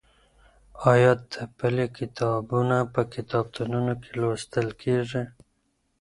آيا تپلي کتابونه په کتابتونونو کي لوستل کېږي؟